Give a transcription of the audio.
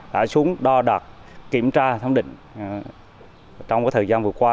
đã xuống đo đạt kiểm tra thám định trong thời gian vừa qua